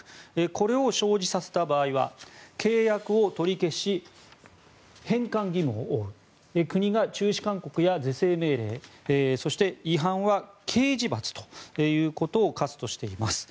これを生じさせた場合は契約を取り消し返還義務を負う国が中止勧告や是正命令そして違反は刑事罰ということを科すとしています。